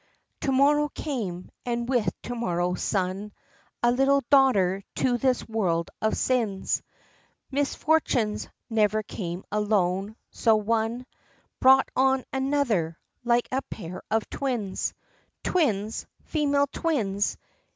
VIII. To morrow came, and with to morrow's sun A little daughter to this world of sins, Miss fortunes never come alone so one Brought on another, like a pair of twins: Twins! female twins!